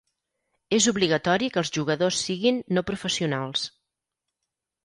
És obligatori que els jugadors siguin no professionals.